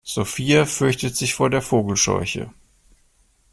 Sophia fürchtet sich vor der Vogelscheuche.